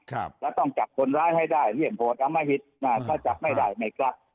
แล้วต้องจับคนร้ายให้ได้ที่เห็นโปรดอัมมะฮิตน่ะก็จับไม่ได้ไหมครับ